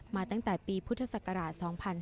มาตั้งแต่ปีพุทธศักราช๒๕๕๙